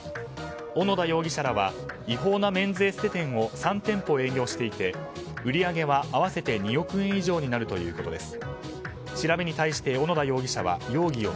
小野田容疑者らは違法なメンズエステ店を３店舗営業していて売り上げは合わせて２億円以上になるということです。